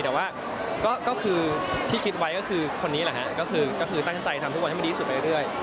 แต่ว่าก็คือที่คิดไว้ก็คือคนนี้แหละฮะก็คือตั้งใจทำทุกวันให้มันดีที่สุดไปเรื่อย